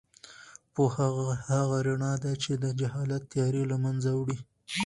پوهه هغه رڼا ده چې د جهالت تیارې له منځه وړي.